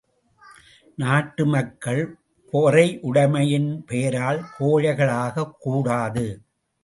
நாட்டு மக்கள் பொறையுடைமையின் பெயரால் கோழைகளாகக் கூடாது.